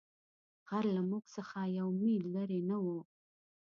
غر له موږ څخه یو مېل لیرې نه وو.